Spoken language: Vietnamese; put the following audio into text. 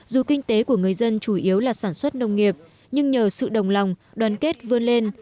dù kinh tế của người dân chủ yếu là sản xuất nông nghiệp nhưng nhờ sự đồng lòng đoàn kết vươn lên